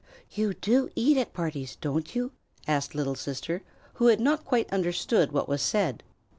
"You do eat at parties, don't you?" asked Little Sister, who had not quite understood what was said.